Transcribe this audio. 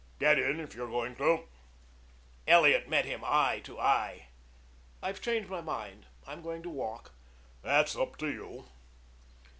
"Get in if you're going to." Elliot met him eye to eye. "I've changed my mind. I'm going to walk." "That's up to you."